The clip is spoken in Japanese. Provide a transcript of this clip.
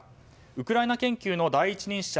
ウクライナ研究の第一人者